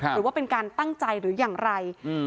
หรือว่าเป็นการตั้งใจหรืออย่างไร